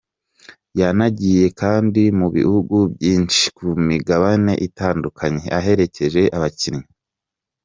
Yanagiye kandi mu bihugu byinshi, ku migabane itandukanye aherekeje abakinnyi.